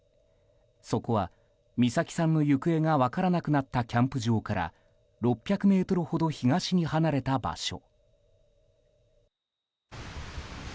そこは、美咲さんの行方が分からなくなったキャンプ場から６００ｍほど東に離れた場所。